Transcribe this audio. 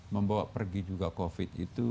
membawa pergi juga covid itu